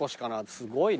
すごいね。